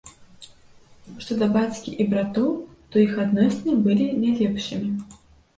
Што да бацькі і братоў, то іх адносіны былі не лепшымі.